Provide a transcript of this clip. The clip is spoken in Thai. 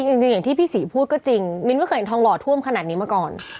อย่างที่พี่ศรีพูดก็จริงมิ้นไม่เคยเห็นทองหล่อท่วมขนาดนี้มาก่อน